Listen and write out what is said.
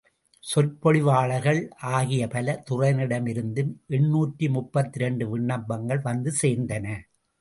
சொற் பொழிவாளர்கள் ஆகிய பல துறையினரிடமிருந்தும் எண்ணூற்று முப்பத்திரண்டு விண்ணப்பங்கள் வந்து சேர்ந்தன.